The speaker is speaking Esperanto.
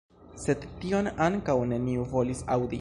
Sed tion ankaŭ neniu volis aŭdi.